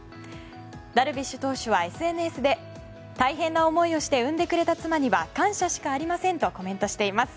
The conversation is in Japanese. ダルビッシュ投手はＳＮＳで大変な思いをして産んでくれた妻には感謝しかありませんとコメントしています。